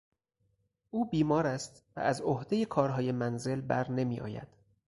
او بیمار است و از عهدهی کارهای منزل برنمیآید.